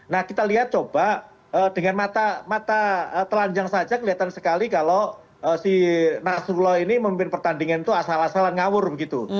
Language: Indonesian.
nah kita lihat coba dengan mata telanjang saja kelihatan sekali kalau si nasrullah ini memimpin pertandingan itu asal asalan ngawur begitu